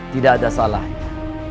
tidak ada salahnya